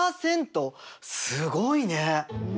すごいね！